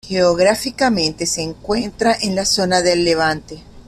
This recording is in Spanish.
Geográficamente, se encuentra en la zona del levante.